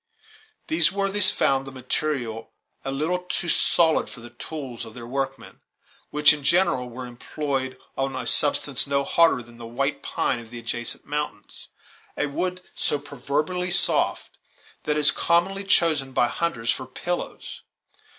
These worthies found the material a little too solid for the tools of their workmen, which, in General, were employed on a substance no harder than the white pine of the adjacent mountains, a wood so proverbially soft that it is commonly chosen by the hunters for pillows.